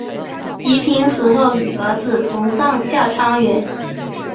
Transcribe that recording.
宜嫔死后与儿子同葬孝昌园。